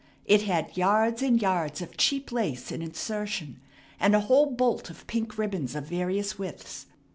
It had yards and yards of cheap lace and insertion, and a whole bolt of pink ribbons of various widths.